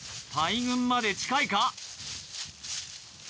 大群まで近いか？